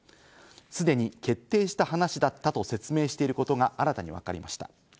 すでに決定した話だったと説明していることが新たに分かりました。